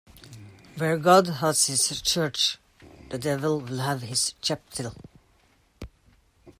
Where God has his church, the devil will have his chapel.